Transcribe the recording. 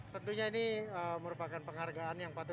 tentunya ini merupakan penghargaan yang patut